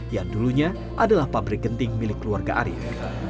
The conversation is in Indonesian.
yang dulunya adalah pabrik genting milik keluarga arief